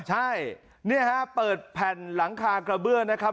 ใช่นี่ฮะเปิดแผ่นหลังคากระเบื้องนะครับ